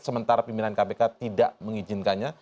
sementara pimpinan kpk tidak mengizinkannya